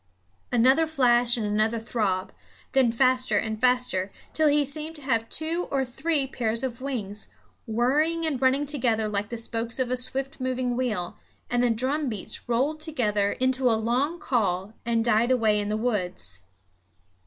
Another flash and another throb; then faster and faster, till he seemed to have two or three pairs of wings, whirring and running together like the spokes of a swift moving wheel, and the drumbeats rolled together into a long call and died away in the woods.